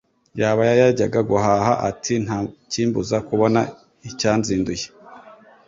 Yaba yajyaga guhaha, ati Ntakimbuza kubona icyanzinduye